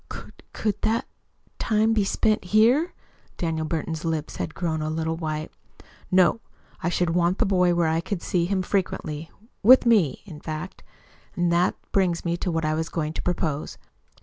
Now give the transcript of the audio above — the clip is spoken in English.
"Could could that time be spent here?" Daniel Burton's lips had grown a little white. "No. I should want the boy where I could see him frequently with me, in fact. And that brings me to what I was going to propose.